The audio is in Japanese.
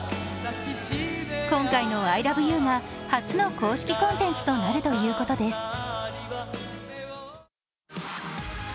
今回の「ＩＬＯＶＥＹＯＵ」が初の公式コンテンツとなるということです。